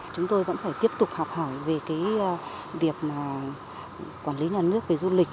chúng tôi vẫn phải tiếp tục học hỏi về cái việc mà quản lý nhà nước về du lịch